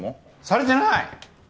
されてない！